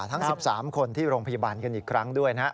ทั้ง๑๓คนที่โรงพยาบาลกันอีกครั้งด้วยนะครับ